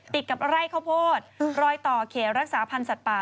ติดกับไร่ข้าวโพดรอยต่อเขตรักษาพันธ์สัตว์ป่า